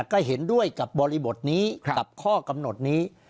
ก็เห็นด้วยกับบริบทนี้กับข้อกำหนดนี้